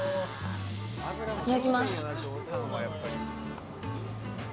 いただきます。